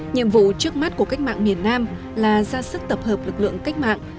nhiệm vụ trước mắt của cách mạng miền nam là ra sức tập hợp lực lượng cách mạng